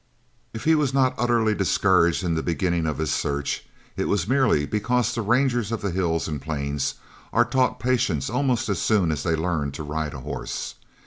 If he was not utterly discouraged in the beginning of his search, it was merely because the rangers of the hills and plains are taught patience almost as soon as they learn to ride a horse.